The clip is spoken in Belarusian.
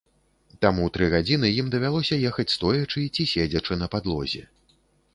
Таму тры гадзіны ім давялося ехаць стоячы ці седзячы на падлозе.